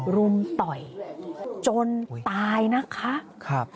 รุมต่อยจนตายนะคะ